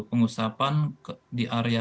pengusapan di area